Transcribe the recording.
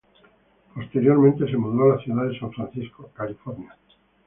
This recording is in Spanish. Posteriormente se mudó a la ciudad de San Francisco, California.